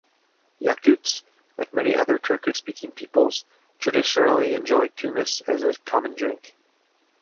Yakuts, like many other Turkic-speaking peoples, traditionally enjoy kumis as a common drink.